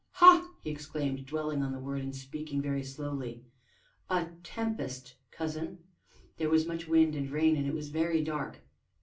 "Ha!" he exclaimed, dwelling on the word, and speaking very slowly, "a tempest, cousin?" "There was much wind and rain, and it was very dark."